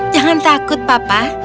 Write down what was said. jangan takut papa